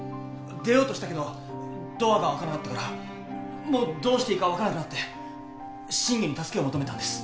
出ようとしたけどドアが開かなかったからもうどうしていいか分からなくなって信玄に助けを求めたんです。